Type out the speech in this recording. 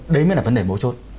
đấy mới là vấn đề bố chốt